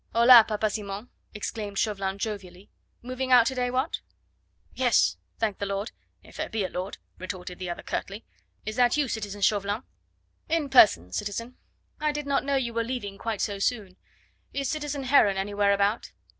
"Hola, Papa Simon!" exclaimed Chauvelin jovially; "moving out to day? What?" "Yes, thank the Lord! if there be a Lord!" retorted the other curtly. "Is that you, citizen Chauvelin?" "In person, citizen. I did not know you were leaving quite so soon. Is citizen Heron anywhere about?"